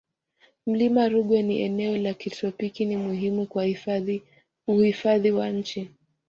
mlima rungwe ni eneo la kitropiki ni muhimu kwa uhifadhi wa nchi